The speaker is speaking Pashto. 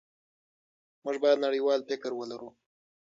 موږ باید نړیوال فکر ولرو.